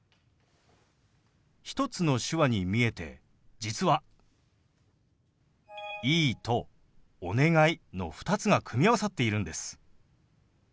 １つの手話に見えて実は「いい」と「お願い」の２つが組み合わさっているんです。